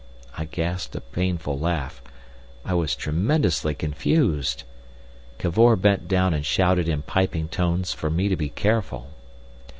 I gasped a painful laugh. I was tremendously confused. Cavor bent down and shouted in piping tones for me to be careful.